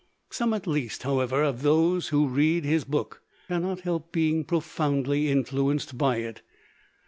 Some at least however, of those who read his book cannot help being profoundly influenced by it.